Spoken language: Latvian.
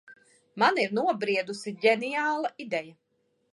Man ir nobriedusi ģeniāla ideja.